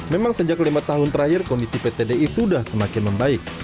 memang sejak lima tahun terakhir kondisi pt di sudah semakin membaik